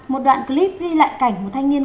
một đoạn clip ghi lại cảnh một thanh niên